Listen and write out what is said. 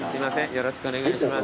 よろしくお願いします。